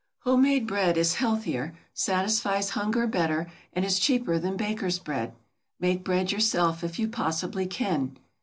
Homemade bread is healthier, satisfies hunger better, and is cheaper than bakers' bread. Make bread yourself if you possibly can.